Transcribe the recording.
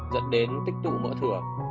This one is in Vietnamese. dẫn đến tích tụ mỡ thừa